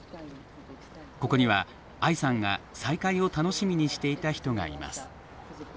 ここには愛さんが再会を楽しみにしていた人がいます。